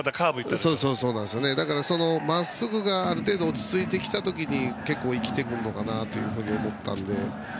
そのまっすぐがある程度落ち着いてきた時に生きてくるのかなと思ったので。